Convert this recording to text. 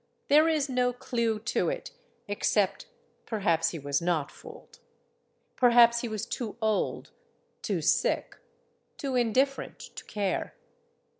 There is no clew to it, except perhaps he was not fooled. Per haps he was too old, too sick, too indifferent to care.